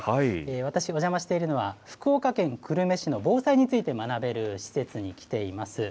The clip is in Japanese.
私お邪魔しているのは、福岡県久留米市の防災について学べる施設に来ています。